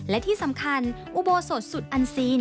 และที่สำคัญอุโบสถสุดอันซีน